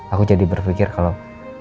aku jadi berpikir kalau